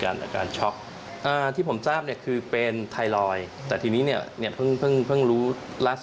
น่าจะท้องมั้งน่าจะที่ท้องมั้งครับ